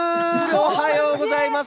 おはようございます。